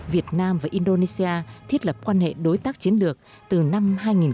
việt nam và indonesia thiết lập quan hệ đối tác chiến lược từ năm hai nghìn một mươi